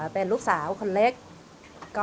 เป็นลูกสาวคนเล็ก